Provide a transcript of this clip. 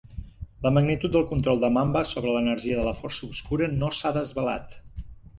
La magnitud del control de Mamba sobre l'energia de la força obscura no s'ha desvelat.